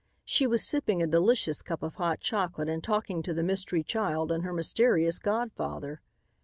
She was sipping a delicious cup of hot chocolate and talking to the mystery child and her mysterious godfather.